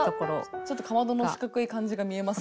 ちょっとかまどの四角い感じが見えます。